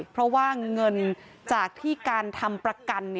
เพราะว่าเงินจากที่การทำประกัน